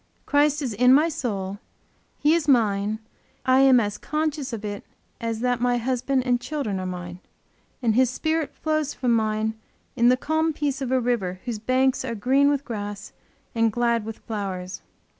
Christ is in my soul; He is mine; I am as conscious of it as that my husband and children are mine; and His Spirit flows from mine in the calm peace of a river whose banks are green with grass and glad with flowers.